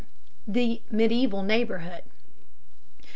THE MEDIEVAL NEIGHBORHOOD.